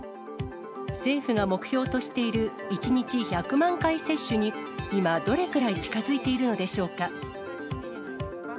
政府が目標としている１日１００万回接種に、今、どれくらい近づいているのでしょうか。